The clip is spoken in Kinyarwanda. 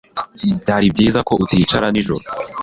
Byari byiza ko uticara nijoro.